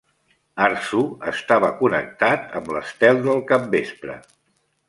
Arsu estava connectat amb l'estel del capvespre.